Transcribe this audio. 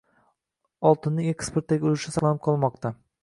Oltinning eksportdagi ulushi saqlanib qolmoqda